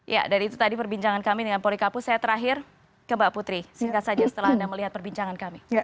ya dari itu tadi perbincangan kami dengan polikapu saya terakhir ke mbak putri singkat saja setelah anda melihat perbincangan kami